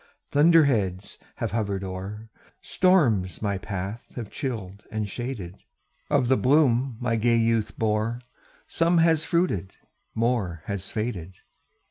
Thunder heads have hovered o'er Storms my path have chilled and shaded; Of the bloom my gay youth bore, Some has fruited more has faded."